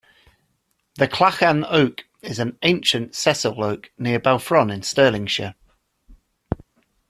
The "Clachan Oak" is an ancient sessile oak near Balfron in Stirlingshire.